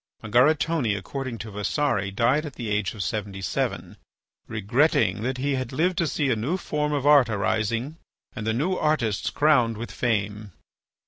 Margaritone, according to Vasari, died at the age of seventy seven, "regretting that he had lived to see a new form of art arising and the new artists crowned with fame."